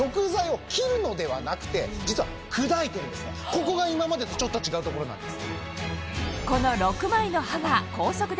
ここが今までとちょっと違うところなんです。